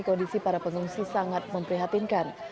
kondisi para pengungsi sangat memprihatinkan